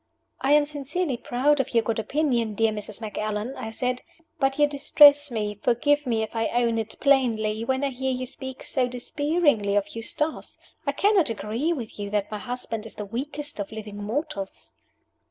"I am sincerely proud of your good opinion, dear Mrs. Macallan," I said. "But you distress me forgive me if I own it plainly when I hear you speak so disparagingly of Eustace. I cannot agree with you that my husband is the weakest of living mortals."